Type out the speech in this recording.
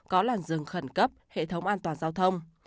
có làn rừng khẩn cấp hệ thống an toàn giao thông